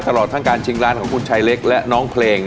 ตลอดทั้งการชิงร้านของคุณชายเล็กและน้องเพลง